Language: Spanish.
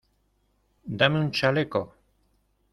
¡ dame un chaleco!